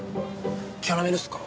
キャラメルっすか？